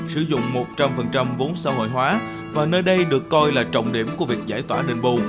sử dụng một trăm linh vốn xã hội hóa và nơi đây được coi là trọng điểm của việc giải tỏa đền bù